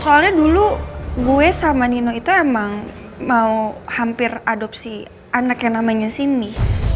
soalnya dulu gue sama nino itu emang mau hampir adopsi anak yang namanya sini